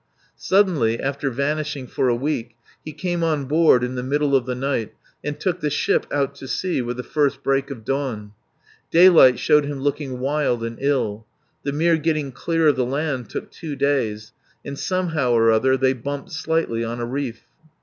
Suddenly, after vanishing for a week, he came on board in the middle of the night and took the ship out to sea with the first break of dawn. Daylight showed him looking wild and ill. The mere getting clear of the land took two days, and somehow or other they bumped slightly on a reef.